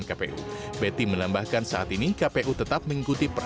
kami membahasnya malam ini